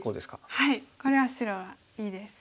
はいこれは白がいいです。